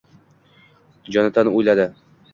Jonatan o‘yladi: